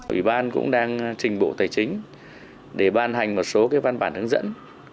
ủy ban cũng đang trình bộ tài chính để ban hành một số văn bản hướng dẫn